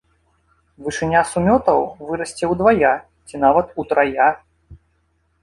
Вышыня сумётаў вырасце ўдвая ці нават утрая.